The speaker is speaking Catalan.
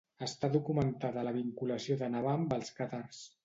Està documentada la vinculació de Nevà amb els càtars.